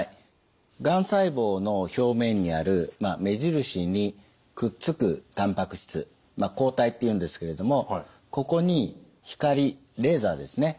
がん細胞の表面にある目印にくっつくたんぱく質抗体っていうんですけれどもここに光レーザーですね